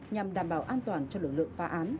nhằm đảm bảo an toàn cho lực lượng phá án